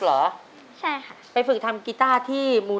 พี่หอยคิดถึงอัปเดตมากเลยนะพี่หอยบอก